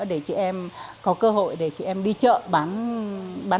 để chị em có cơ hội để chị em đi chợ bán